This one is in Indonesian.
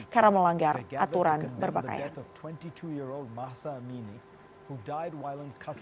karena melanggar aturan berbagai